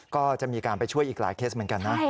ก็จะมีการไปช่วยอีกหลายเคสเหมือนกันนะ